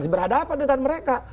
berhadapan dengan mereka